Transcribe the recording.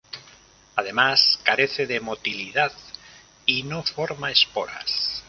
Además carece de motilidad y no forma esporas.